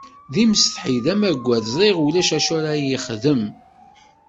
D imsetḥi, d amaggad, ẓriɣ ulac acu ara yi-ixdem.